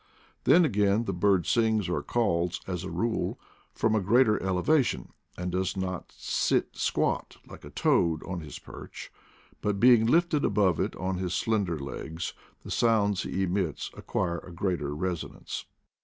Then, again, the bird sings or calls, as a rule, from a greater elevation, and does not sit squat, like a toad, on his perch, but being lifted above it on his slender legs, the sounds he emits acquire a greater resonance.